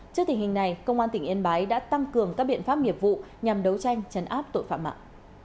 trước tình hình này công an tỉnh yên bái đã tăng cường các biện pháp nghiệp vụ nhằm đấu tranh chấn áp tội phạm mạng